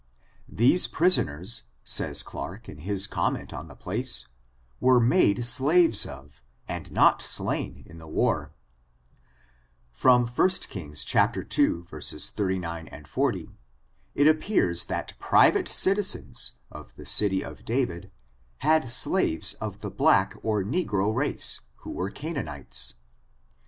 These prisoners, says Clarke in his com ment on the place, were made slaves of, and not slain in the war. From 1 Kings ii, 39, 40, it appears that private citizens, of the city of David, had slaves of the black or negro race, who were Canaanites.